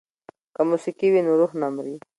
که موسیقي وي نو روح نه مري.